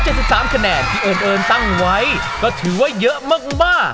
กับ๒๗๓คะแนนที่เอิ้นเอิ้นตั้งไว้ก็ถือว่าเยอะมาก